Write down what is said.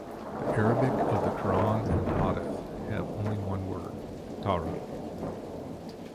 The Arabic of the Quran and hadith have only one word, "Tawrat".